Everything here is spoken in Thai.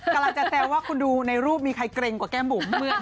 กำลังจะแซวว่าคุณดูในรูปมีใครเกร็งกว่าแก้มบุ๋ม